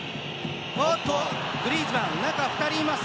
おっとグリーズマン中２人います。